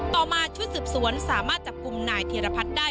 ต่อมาชุดสืบสวนสามารถจับกลุ่มนายธีรพัฒน์ได้